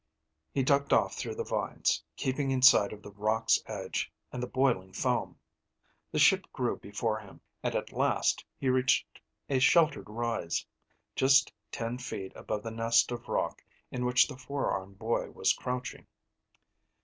He ducked off through the vines, keeping in sight of the rocks' edge and the boiling foam. The ship grew before him, and at last he reached a sheltered rise, just ten feet above the nest of rock in which the four armed boy was crouching.